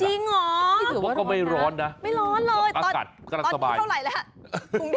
จริงเหรอไม่ถือว่าร้อนนะอากาศก็รักสบายตอนนี้เท่าไหร่ละ